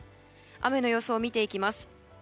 雨の予想、見ていきます。